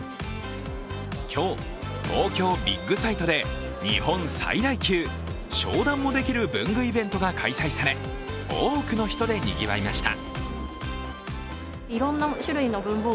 今日、東京ビッグサイトで日本最大級商談もできる文具イベントが開催され、多くの人でにぎわいました。